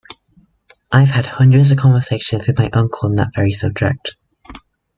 I've had hundreds of conversations with my uncle on that very subject.